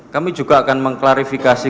kami juga akan mengklarifikasi